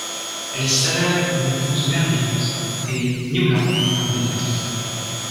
Elle s'avère une épouse merveilleuse, et Niúláng un bon mari.